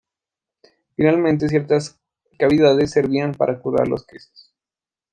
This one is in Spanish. Finalmente, ciertas cavidades servían para curar los quesos.